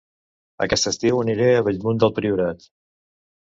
Aquest estiu aniré a Bellmunt del Priorat